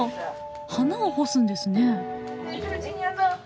花を干すんですね。